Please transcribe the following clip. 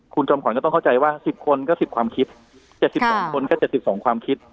คุณจอมขวัญก็ต้องเข้าใจว่า๑๐คนก็๑๐ความคิด๗๒คนก็๗๒ความคิด